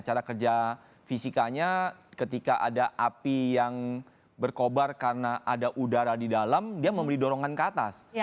cara kerja fisikanya ketika ada api yang berkobar karena ada udara di dalam dia memberi dorongan ke atas